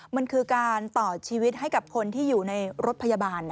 มันคือการต่อชีวิตให้กับคนที่อยู่ในรถพยาบาล